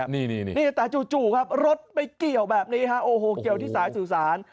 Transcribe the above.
นี่แต่จู่ครับรถไปเกี่ยวแบบนี้ฮะโอ้โหเกี่ยวที่สายสื่อสาร